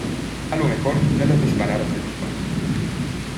a lo mejor no les dispararon desde un barco.